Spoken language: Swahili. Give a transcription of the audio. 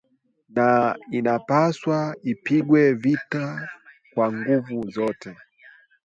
Na inapaswa ipigwe vita kwa nguvu zote